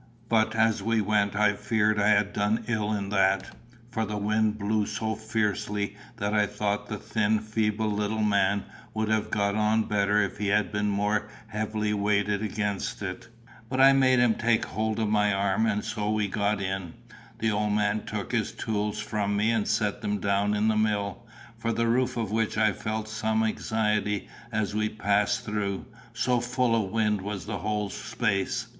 But as we went I feared I had done ill in that, for the wind blew so fiercely that I thought the thin feeble little man would have got on better if he had been more heavily weighted against it. But I made him take a hold of my arm, and so we got in. The old man took his tools from me and set them down in the mill, for the roof of which I felt some anxiety as we passed through, so full of wind was the whole space.